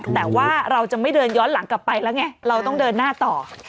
แต่ว่าเราจะไม่เดินย้อนหลังกลับไปแล้วไงเราต้องเดินหน้าต่อ